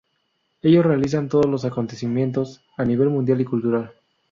Ellos realizan todo los acontecimientos a nivel mundial y cultural.